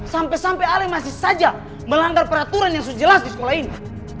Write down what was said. sampai sampai ale masih saja melanggar peraturan yang sudah jelas di sekolah ini